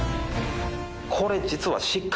これ実は。